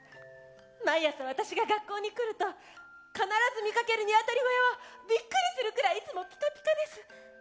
毎朝私が学校に来ると必ず見かけるニワトリ小屋はびっくりするくらいいつもピカピカです。